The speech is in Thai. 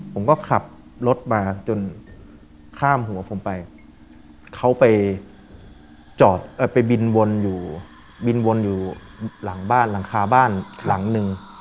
ผมก็ขับรถมาจนข้ามหัวผมไปเขาไปบินวนอยู่หลังบ้านหลังคาบ้านหลังนึง